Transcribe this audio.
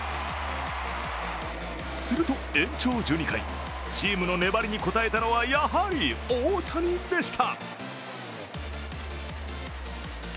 すると延長１２回、チームの粘りに応えたのはやはり大谷でした。